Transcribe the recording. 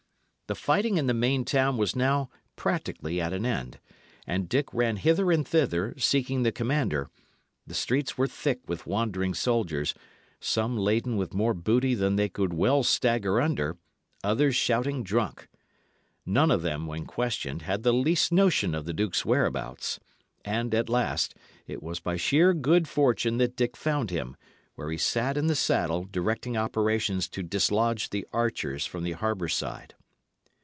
The fighting in the main town was now practically at an end; and as Dick ran hither and thither, seeking the commander, the streets were thick with wandering soldiers, some laden with more booty than they could well stagger under, others shouting drunk. None of them, when questioned, had the least notion of the duke's whereabouts; and, at last, it was by sheer good fortune that Dick found him, where he sat in the saddle directing operations to dislodge the archers from the harbour side.